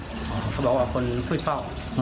เขาบอกว่าคนปุ้ยเป้า